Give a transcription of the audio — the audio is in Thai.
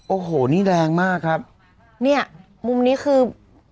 โอ้โหนี่แรงมากครับเนี่ยมุมนี้คือ